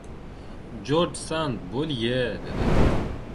"Jorj Sand bo‘l-ye, — dedi.